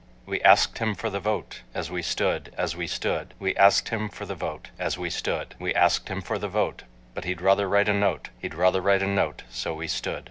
We asked him for the vote, As we stood, as we stood, We asked him for the vote As we stood, We asked him for the vote, But he'd rather write a note, He'd rather write a note—so we stood.